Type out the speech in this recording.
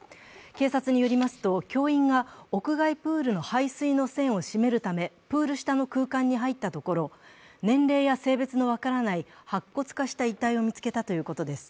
警察によりますと教員が屋外プールの排水の栓を閉めるため、プール下の空間に入ったところ年齢や性別の分からない白骨化した遺体を見つけたということです。